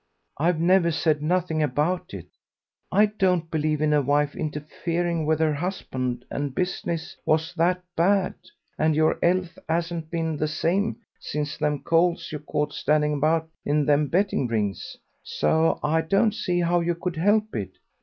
"I've never said nothing about it. I don't believe in a wife interfering with her husband; and business was that bad, and your 'ealth 'asn't been the same since them colds you caught standing about in them betting rings, so I don't see how you could help it.